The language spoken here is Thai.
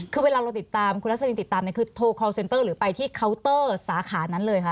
คือเวลาเราติดตามคุณรัสลินติดตามเนี่ยคือโทรคอลเซนเตอร์หรือไปที่เคาน์เตอร์สาขานั้นเลยค่ะ